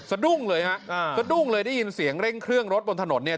ดุ้งเลยฮะอ่าสะดุ้งเลยได้ยินเสียงเร่งเครื่องรถบนถนนเนี่ย